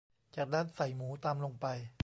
จากนั้นใส่หมูตามลงไป